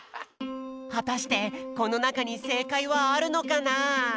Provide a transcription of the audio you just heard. はたしてこのなかにせいかいはあるのかな？